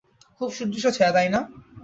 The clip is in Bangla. খুব সুদৃশ্য ছায়া, তাই না?